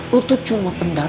lo tuh cuma pendeknya